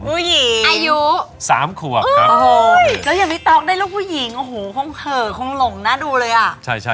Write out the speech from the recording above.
ผู้หญิงอายุ๓ขวบครับโอ้โหแล้วอย่างพี่ต๊อกได้ลูกผู้หญิงโอ้โหคงเผลอคงหลงน่าดูเลยอ่ะ